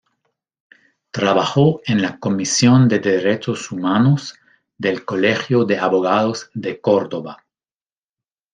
Trabajo en la Comisión de Derechos Humanos del Colegio de Abogados de Córdoba.